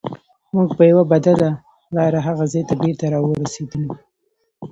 موږ په یوه بدله لار هغه ځای ته بېرته راورسیدلو.